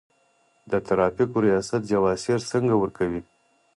د ترافیکو ریاست جواز سیر څنګه ورکوي؟